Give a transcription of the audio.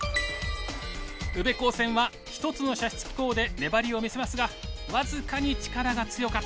宇部高専は１つの射出機構で粘りを見せますが僅かに力が強かった。